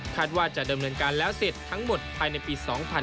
ว่าจะดำเนินการแล้วเสร็จทั้งหมดภายในปี๒๕๕๙